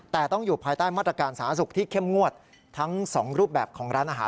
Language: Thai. แต่ต้องอยู่ภายใต้มาตรการสาธารณสุขที่เข้มงวดทั้งสองรูปแบบของร้านอาหาร